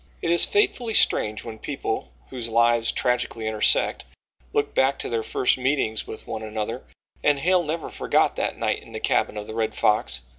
It is fatefully strange when people, whose lives tragically intersect, look back to their first meetings with one another, and Hale never forgot that night in the cabin of the Red Fox.